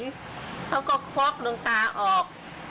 แล้วก็ควอกลูกตาออก